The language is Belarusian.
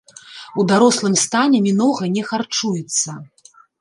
У дарослым стане мінога не харчуецца.